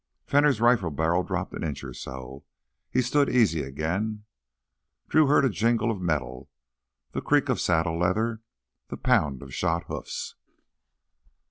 Fenner's rifle barrel dropped an inch or so; he stood easy again. Drew heard a jingle of metal, the creak of saddle leather, the pound of shod hoofs.